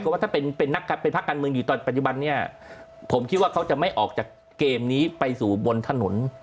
เพราะว่าถ้าเป็นนักเป็นภาคการเมืองอยู่ตอนปัจจุบันนี้ผมคิดว่าเขาจะไม่ออกจากเกมนี้ไปสู่บนถนน